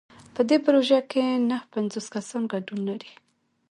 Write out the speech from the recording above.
په دې پروژه کې نهه پنځوس کسان ګډون لري.